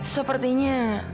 seperti ini ya